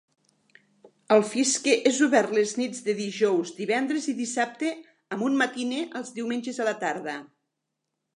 El Fiske és obert les nits de dijous, divendres i dissabte amb un matiné els diumenges a la tarda.